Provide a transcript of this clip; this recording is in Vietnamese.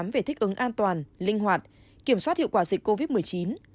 về thích ứng an toàn linh hoạt kiểm soát hiệu quả dịch covid một mươi chín